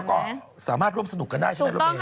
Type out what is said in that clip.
แล้วก็สามารถร่วมสนุกกันได้ใช่ไหมร่วมเอง